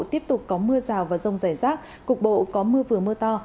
tiếp tục có mưa rào và rông rải rác cục bộ có mưa vừa mưa to